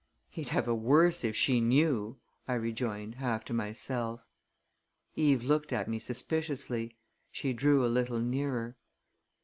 "He'd have a worse if she knew!" I rejoined, half to myself. Eve looked at me suspiciously. She drew a little nearer.